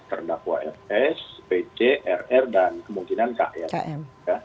terdakwa fs bc rr dan kemungkinan km